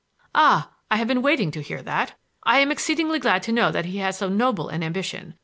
"Ah! I have been waiting to hear that. I am exceedingly glad to know that he has so noble an ambition.